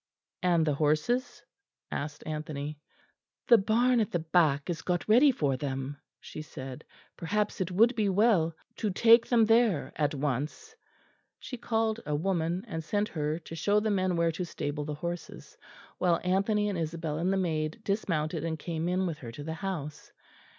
"And the horses?" asked Anthony. "The barn at the back is got ready for them," she said; "perhaps it would be well to take them there at once." She called a woman, and sent her to show the men where to stable the horses, while Anthony and Isabel and the maid dismounted and came in with her to the house.